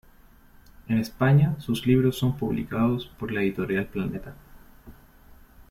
En España sus libros son publicados por la editorial Planeta.